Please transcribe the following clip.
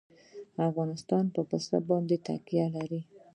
افغانستان په پسه باندې تکیه لري.